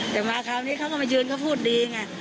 แต่มาคราวนี้เขาก็มายืนเขาพูดดีไง